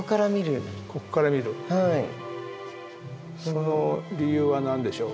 その理由は何でしょう？